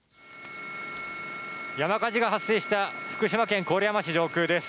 山火事が発生した福島県郡山市上空です。